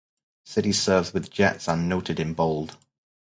Cities served with jets are noted in bold.